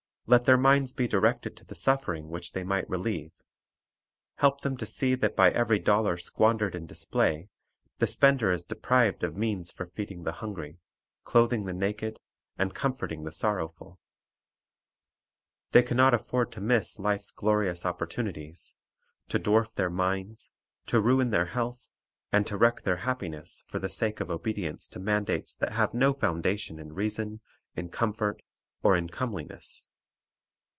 Let their minds be directed to the suffering which they might relieve. Help them to see that by every dollar squandered in display, the spender is deprived of means for feeding the hungry, clothing the naked, and comforting the sorrowful. They can not afford to miss life's glorious oppor tunities, to dwarf their minds, to ruin their health, and to wreck their happiness, for the sake of obedience to mandates that have no foundation in reason, in comfort, or in comeliness.